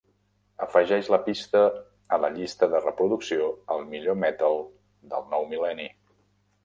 Afegeix la pista a la llista de reproducció "El millor metal del nou mil·lenni".